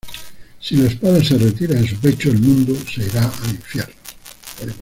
Si la espada se retira de su pecho, el mundo se irá al infierno.